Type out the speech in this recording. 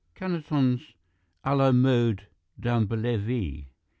Canetons à la mode d'Amblève.